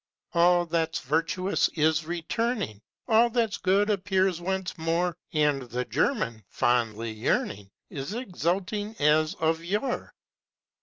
All that's virtuous is returning, All that's good appears once more And the German, fondly yearning, Is exulting as of yore.